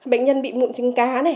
bệnh nhân bị mụn trứng cá này